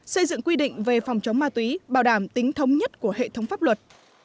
xây dựng quy định về phòng chống ma túy bảo đảm tính thống nhất của hệ thống pháp luật